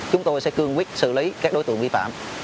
chúng tôi sẽ cương quyết xử lý các đối tượng vi phạm